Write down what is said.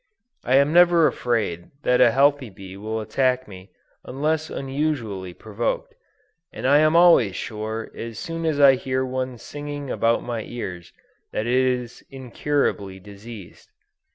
I am never afraid that a healthy bee will attack me unless unusually provoked; and am always sure as soon as I hear one singing about my ears that it is incurably diseased.